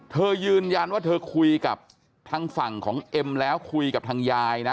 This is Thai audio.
เธอยืนยันว่าเธอคุยกับทางฝั่งของเอ็มแล้วคุยกับทางยายนะ